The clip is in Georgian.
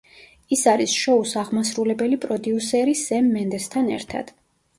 ის არის შოუს აღმასრულებელი პროდიუსერი სემ მენდესთან ერთად.